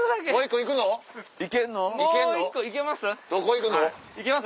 行けます？